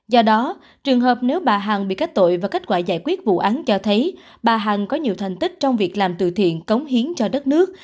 do đó trường hợp nếu bà hằng bị cách tội và kết quả giải quyết vụ án cho thấy bà hằng có nhiều thành tích trong việc làm từ thiện cống hiến cho đất nước